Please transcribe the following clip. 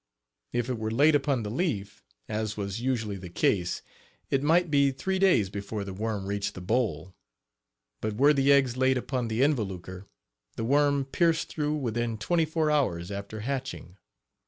If it were laid upon the leaf, as was usually the case, it might be three days before the worm reached the boll; but were the eggs laid upon the involucre the worm pierced through within twenty four hours after hatching.